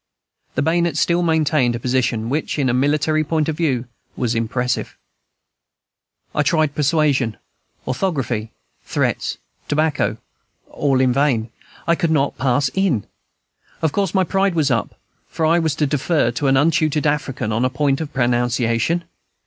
The bayonet still maintained a position which, in a military point of view, was impressive. I tried persuasion, orthography, threats, tobacco, all in vain. I could not pass in. Of course my pride was up; for was I to defer to an untutored African on a point of pronunciation?